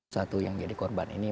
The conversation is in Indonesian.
satu yang jadi korban ini